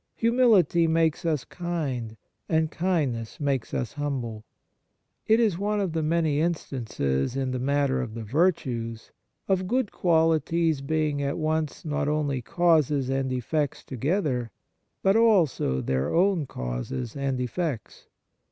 Humility makes us kind, and kindness makes us humble. It is one of the many instances in the matter of the virtues of good qualities being at once not only causes and effects together, but also their own causes and effects.